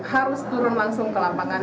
harus turun langsung ke lapangan